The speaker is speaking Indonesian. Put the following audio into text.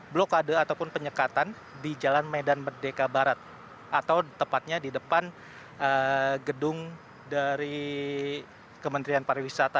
blokade ataupun penyekatan di jalan medan merdeka barat atau tepatnya di depan gedung dari kementerian pariwisata